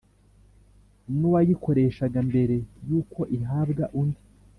n uwayikoreshaga mbere y uko ihabwa undi